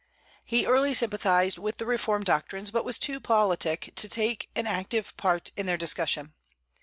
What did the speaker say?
He early sympathized with the reform doctrines, but was too politic to take an active part in their discussion.